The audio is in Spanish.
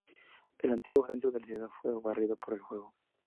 El antiguo centro de la ciudad fue barrido por el fuego.